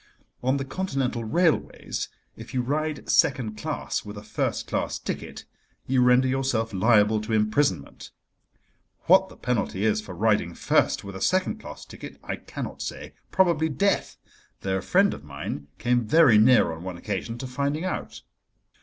On the Continental railways if you ride second class with a first class ticket you render yourself liable to imprisonment. What the penalty is for riding first with a second class ticket I cannot say—probably death, though a friend of mine came very near on one occasion to finding out.